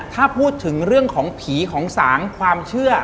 ถ้าพูดถึงเรื่องของผีของสางความเชื่อ